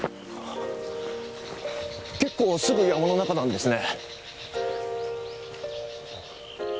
結構すぐ山の中なんですね。